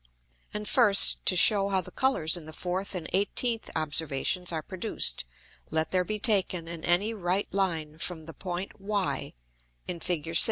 And first to shew how the Colours in the fourth and eighteenth Observations are produced, let there be taken in any Right Line from the Point Y, [in _Fig.